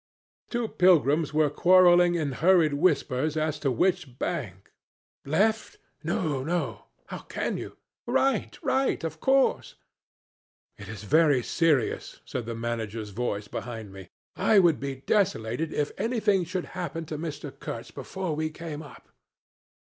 "Two pilgrims were quarreling in hurried whispers as to which bank. 'Left.' 'No, no; how can you? Right, right, of course.' 'It is very serious,' said the manager's voice behind me; 'I would be desolated if anything should happen to Mr. Kurtz before we came up.'